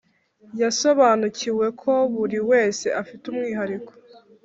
yasobanukiwe ko buri wese afite umwihariko